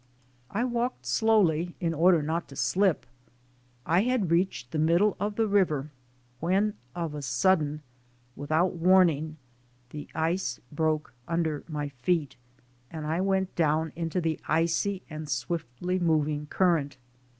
I walked slowly in order not to slip. I had reached 96 THE SOUL OF AN IMMIGRANT the middle of the river, when of a sudden, without warning, the ice broke under my feet and I went down into the icy and swiftly moving current.